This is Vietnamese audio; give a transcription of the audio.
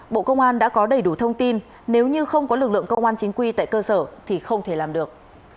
bộ công an đã có đầy đủ thông tin nếu như không có lực lượng công an chính quy tại cơ sở thì không thể làm được